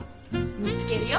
見つけるよ。